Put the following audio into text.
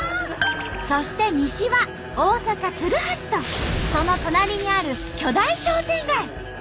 そして西は大阪・鶴橋とその隣にある巨大商店街。